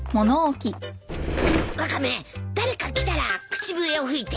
ワカメ誰か来たら口笛を吹いて。